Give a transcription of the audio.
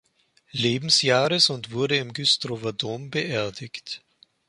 Lebensjahres und wurde im Güstrower Dom beerdigt.